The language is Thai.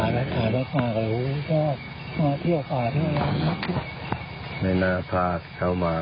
ไม่น่าพาเข้ามาไม่น่าเอาตัวหยุดมา